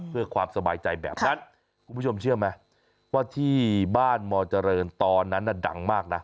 เพื่อความสบายใจแบบนั้นคุณผู้ชมเชื่อไหมว่าที่บ้านมเจริญตอนนั้นน่ะดังมากนะ